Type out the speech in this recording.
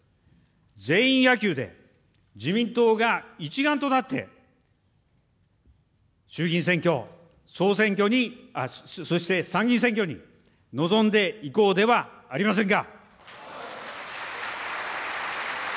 全員野球で、自民党が一丸となって、衆議院選挙、総選挙に、そして参議院選挙に臨んでいこうではありませんか。